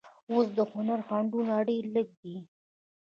اوس د هنر خنډونه ډېر لږ دي.